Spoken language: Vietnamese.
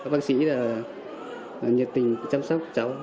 và nhiệt tình chăm sóc cháu